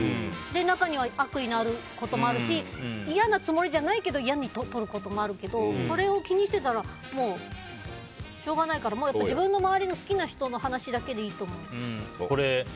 中には悪意のあることもあるし嫌なつもりじゃないけど嫌にとることもあるけどそれを気にしてたらしょうがないから自分の周りの好きな人の話だけでいいと思う。